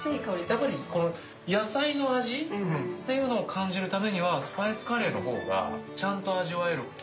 やっぱりこの野菜の味っていうのを感じるためにはスパイスカレーの方がちゃんと味わえる。